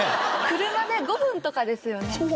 車で５分とかですよね。